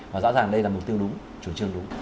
và rõ ràng đây là mục tiêu đúng chủ trương đúng